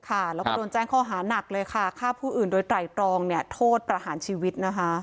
แล้วก็โดนแจ้งข้อหานักเลยค่ะฆ่าผู้อื่นโดยไตรตรองโทษประหารชีวิตนะคะ